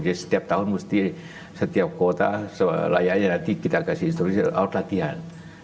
jadi setiap tahun mesti setiap kota layaknya nanti kita kasih instruksi out latihan